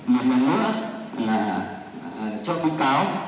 và cũng xem xét cho bị cáo